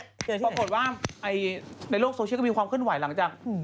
ปรากฏว่าในโลคโซเชียลมีความขึ้นไหวหลังจาก